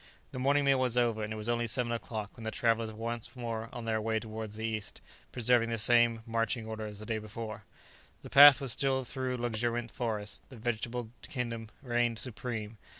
The morning meal was over, and it was only seven o'clock when the travellers were once more on their way towards the east, preserving the same marching order as on the day before. The path was still through luxuriant forest. The vegetable kingdom reigned supreme.